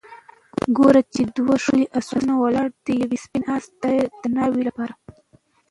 ګورو چې دوه ښکلي آسونه ولاړ دي ، یو سپین آس د ناوې لپاره